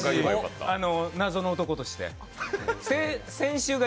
謎の男として、はい。